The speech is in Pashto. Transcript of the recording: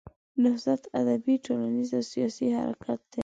نهضت ادبي، ټولنیز او سیاسي حرکت دی.